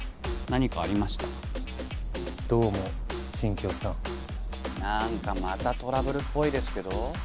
何かまたトラブルっぽいですけど？